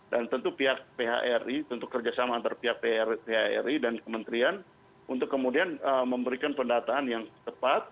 dan tentu pihak phri tentu kerjasama antar pihak phri dan kementrian untuk kemudian memberikan pendataan yang tepat